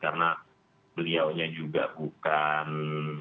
karena beliaunya juga bukan